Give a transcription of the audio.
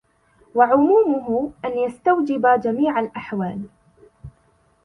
وَعُمُومُهُ أَنْ يَسْتَوْجِبَ جَمِيعَ الْأَحْوَالِ